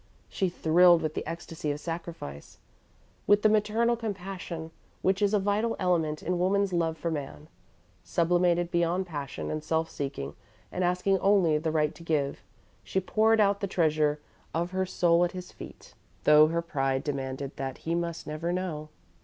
She thrilled with the ecstasy of sacrifice; with that maternal compassion which is a vital element in woman's love for man. Sublimated beyond passion and self seeking, and asking only the right to give, she poured out the treasure of her soul at his feet, though her pride demanded that he must never know.